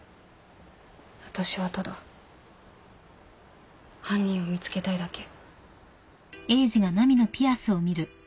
私はただ犯人を見つけたいだけ。